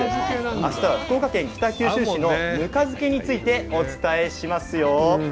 あしたは福岡県北九州市のぬか漬けについてお伝えしますよ。